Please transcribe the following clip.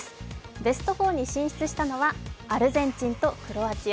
ベスト４に進出したのはアルゼンチンとクロアチア。